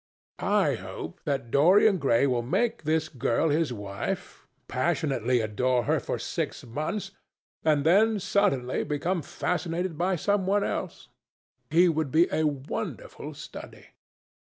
I hope that Dorian Gray will make this girl his wife, passionately adore her for six months, and then suddenly become fascinated by some one else. He would be a wonderful study."